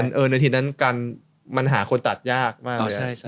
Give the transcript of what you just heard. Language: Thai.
ในทีนั้นการหาคนตัดยากมาก